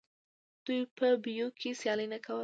دوی په بیو کې سیالي نه کوله